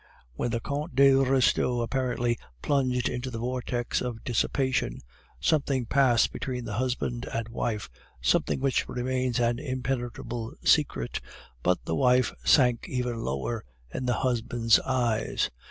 "When the Comte de Restaud apparently plunged into the vortex of dissipation, something passed between the husband and wife, something which remains an impenetrable secret, but the wife sank even lower in the husband's eyes.